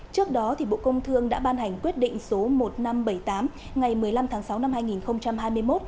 trước đó bộ công thương đã ban hành quyết định số một nghìn năm trăm bảy mươi tám ngày một mươi năm tháng sáu năm hai nghìn hai mươi một